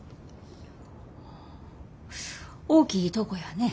大きいとこやね。